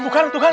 bukan tuh kan